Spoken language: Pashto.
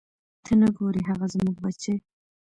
ته نه ګورې هغه زموږ بچی.